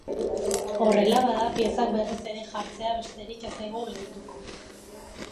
Horrela bada, piezak berriz ere jartzea besterik ez zaigu geldituko.